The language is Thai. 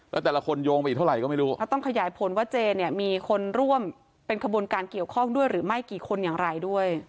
แล้วแต่ละคนโยงไปอีกเท่าไหร่ก็ไม่รู้ถ้าต้องขยายผลว่าเจเนี่ยมีคนร่วมเป็นขบวนการเกี่ยวข้องด้วยหรือไม่กี่คนอย่างไรด้วย